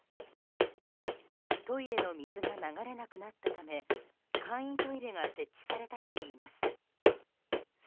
トイレの水が流れなくなったため簡易トイレが設置されたといいます。